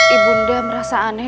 ibu nda merasa aneh